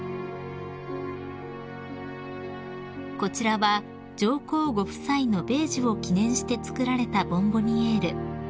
［こちらは上皇ご夫妻の米寿を記念して作られたボンボニエール］